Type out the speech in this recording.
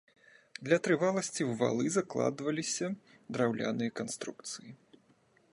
Для трываласці ў валы закладваліся драўляныя канструкцыі.